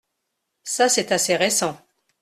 Ça c’est assez récent.